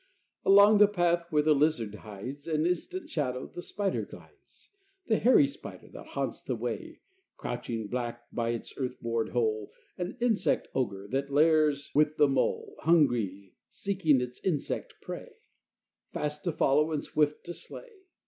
Along the path, where the lizard hides, An instant shadow, the spider glides; The hairy spider, that haunts the way, Crouching black by its earth bored hole, An insect ogre, that lairs with the mole, Hungry, seeking its insect prey, Fast to follow and swift to slay.